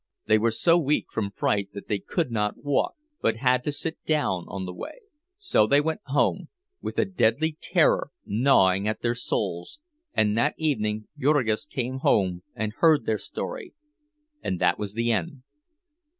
They were so weak from fright that they could not walk, but had to sit down on the way. So they went home, with a deadly terror gnawing at their souls; and that evening Jurgis came home and heard their story, and that was the end.